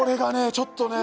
ちょっとね